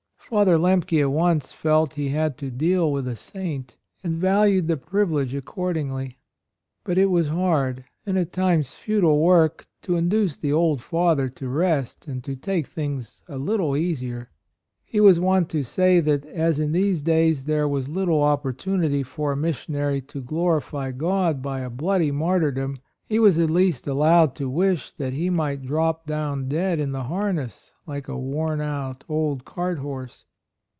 Father Lemke at once felt he had to deal with a saint, and valued the privilege accord ingly. But, it was hard and at times futile work to induce the old Father to rest and to take things a little easier. He was wont to say that as in these 116 A ROYAL SON days there was little oppor tunity for a missionary to glorify God by a bloody martyr dom, he was at least allowed to wish that he might drop down dead in the harness like a worn out old cart horse.